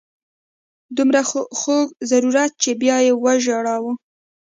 دومره خوږ ضرورت چې بیا یې وژاړو.